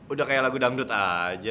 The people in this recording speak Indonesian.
udah kayak lagu dangdut aja